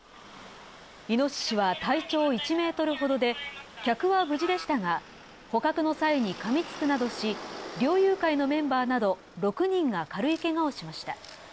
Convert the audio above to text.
イノシシは体長１メートルほどで、客は無事でしたが、捕獲の際にかみつくなどし、猟友会のメンバーなど６人が軽いけがをしました。